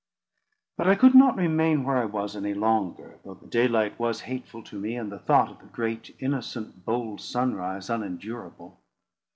But I could not remain where I was any longer, though the daylight was hateful to me, and the thought of the great, innocent, bold sunrise unendurable.